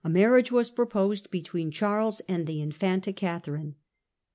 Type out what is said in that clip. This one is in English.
marr j a g e was proposed between Charles and the Infanta Catherine.